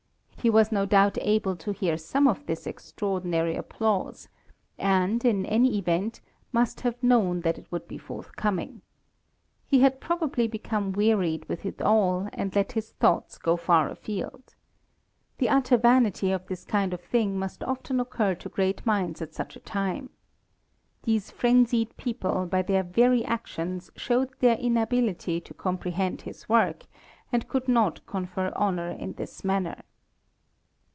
He was no doubt able to hear some of this extraordinary applause, and, in any event, must have known that it would be forthcoming. He had probably become wearied with it all, and let his thoughts go far afield. The utter vanity of this kind of thing must often occur to great minds at such a time. These frenzied people by their very actions showed their inability to comprehend his work, and could not confer honor in this manner.